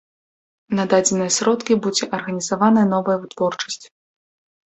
На дадзеныя сродкі будзе арганізавана новая вытворчасць.